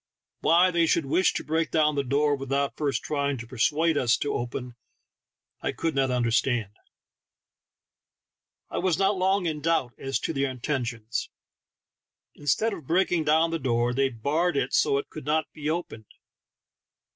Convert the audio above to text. Why they should wish to break down the door without first trying to persuade us to open it I could not understand. I was not long in doubt as to their intentions, instead of breaking down the door they barred it so it could not be opened.